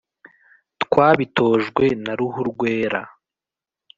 twabitojwe na ruhurwera,